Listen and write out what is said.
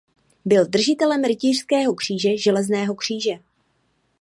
Byl držitelem Rytířského kříže Železného kříže.